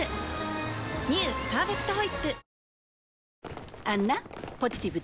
「パーフェクトホイップ」